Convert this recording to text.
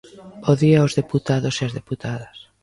Bo día aos deputados e ás deputadas.